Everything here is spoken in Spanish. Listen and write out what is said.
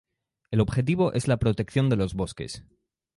El objetivo es la protección de los bosques.